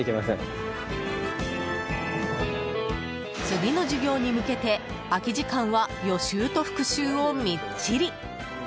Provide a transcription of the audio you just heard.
次の授業に向けて空き時間は予習と復習をみっちり。